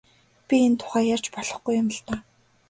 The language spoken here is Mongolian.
Би энэ тухай ярьж болохгүй юм л даа.